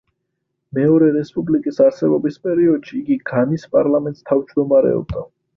მეორე რესპუბლიკის არსებობის პერიოდში იგი განის პარლამენტს თავმჯდომარეობდა.